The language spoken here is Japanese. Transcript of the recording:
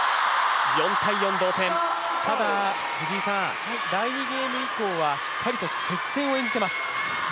ただ、第２ゲーム以降はしっかりと接戦を演じています。